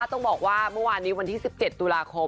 ต้องบอกว่าเมื่อวานนี้วันที่๑๗ตุลาคม